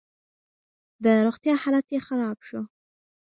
د روغتيا حالت يې خراب شو.